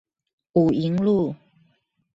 武營路